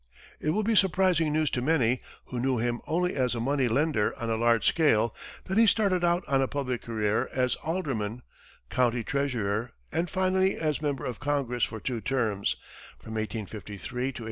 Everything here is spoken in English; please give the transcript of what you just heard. It will be surprising news to many, who knew him only as a money lender on a large scale, that he started out on a public career, as alderman, county treasurer, and finally as member of congress for two terms, from 1853 to 1857.